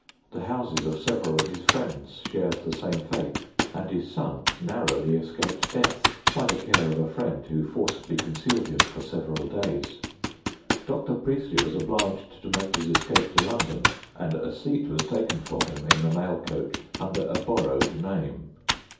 The houses of several of his friends shared the same fate, and his son narrowly escaped death, by the care of a friend ■who forcibly concealed him for several days. Dr. Priestley was obliged to make his escape to London, and a seat was taken for him in the mail coach under a borrowed name.